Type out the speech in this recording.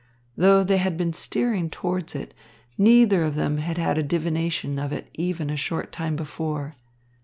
Though they had been steering towards it, neither of them had had a divination of it even a short time before.